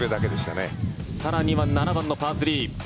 更には７番のパー３。